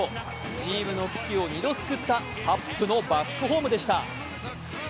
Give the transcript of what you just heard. チームの危機を２度救ったハップのバックホームでした。